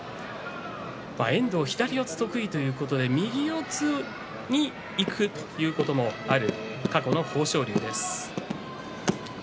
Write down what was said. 遠藤、左四つ得意ということで右四つにいくということもある過去の豊昇龍です。